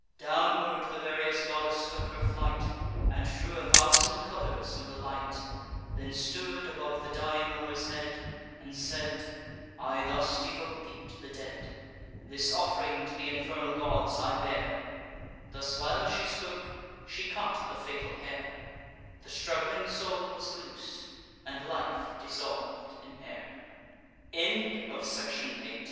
Downward the various goddess took her flight, And drew a thousand colours from the light; Then stood above the dying lover's head, And said: "I thus devote thee to the dead. This off'ring to th' infernal gods I bear." Thus while she spoke, she cut the fatal hair: The struggling soul was loos'd, and life dissolv'd in air. BOOK V THE ARGUMENT.